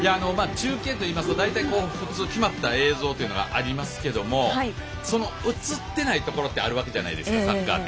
中継といいますと普通決まった映像というのがありますけどその映ってないところってあるわけじゃないですかサッカーって。